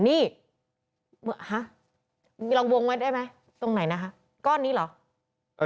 นี่ฮะลองวงไว้ได้ไหมตรงไหนนะคะก้อนนี้เหรอ